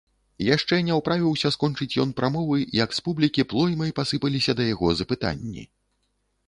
Яшчэ не ўправіўся скончыць ён прамовы, як з публікі плоймай пасыпаліся да яго запытанні.